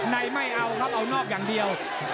ไม่เอาครับเอานอกอย่างเดียว